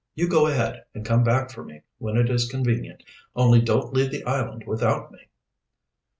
You go ahead, and come back for me when it is convenient. Only don't leave the island without me."